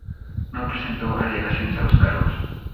No presentó alegaciones a los cargos.